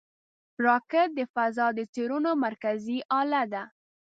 راکټ د فضا د څېړنو مرکزي اله ده